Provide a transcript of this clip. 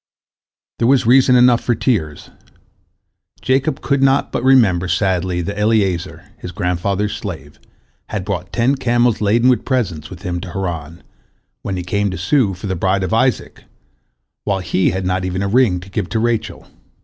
There was reason enough for tears. Jacob could not but remember sadly that Eliezer, his grandfather's slave, had brought ten camels laden with presents with him to Haran, when he came to sue for a bride for Isaac, while he had not even a ring to give to Rachel.